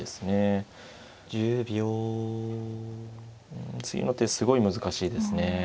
うん次の手すごい難しいですね。